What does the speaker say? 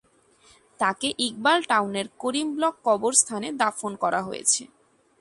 তাকে ইকবাল টাউনের করিম ব্লক কবরস্থানে দাফন করা হয়েছে।